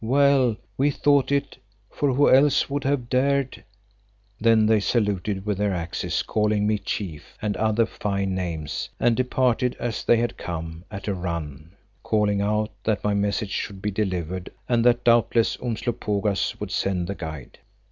Well, we thought it, for who else would have dared——" Then they saluted with their axes, calling me "Chief" and other fine names, and departed as they had come, at a run, calling out that my message should be delivered and that doubtless Umslopogaas would send the guide.